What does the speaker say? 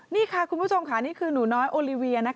นี่ค่ะคุณผู้ชมนี่คือนุน้อยตัวฮีวีย